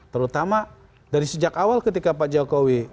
terutama dari sejak awal ketika pak jokowi